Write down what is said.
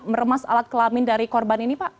meremas alat kelamin dari korban ini pak